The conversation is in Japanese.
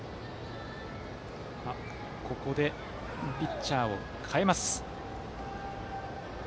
ここでピッチャーを代えます。